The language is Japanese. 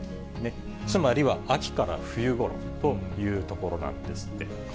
つまりは秋から冬ごろというところなんですって。